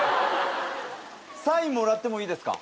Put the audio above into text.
サインもらってもいいですか？